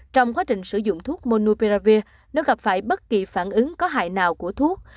trong quá trình sử dụng thuốc monopiravir nếu gặp phải bất kỳ phản ứng có hại nào của thuốc